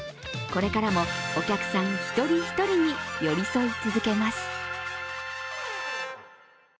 これからもお客さん一人一人に寄り添い続けます。